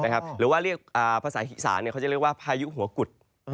หรือว่าเรียกภาษาอีสานเขาจะเรียกว่าพายุหัวกุฎ